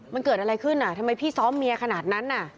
มันเกิดอะไรขึ้นอ่ะทำไมพี่ซ้อมเมียขนาดนั้นน่ะ